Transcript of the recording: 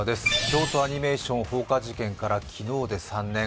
京都アニメーション放火事件から昨日で３年。